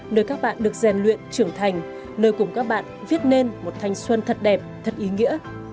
nơi các bạn được rèn luyện trưởng thành nơi cùng các bạn viết nên một thanh xuân thật đẹp thật ý nghĩa